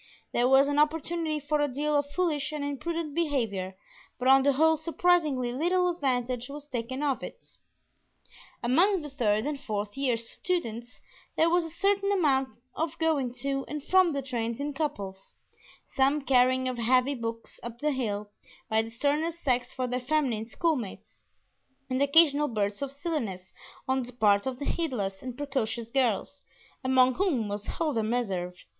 There was an opportunity for a deal of foolish and imprudent behavior, but on the whole surprisingly little advantage was taken of it. Among the third and fourth year students there was a certain amount of going to and from the trains in couples; some carrying of heavy books up the hill by the sterner sex for their feminine schoolmates, and occasional bursts of silliness on the part of heedless and precocious girls, among whom was Huldah Meserve.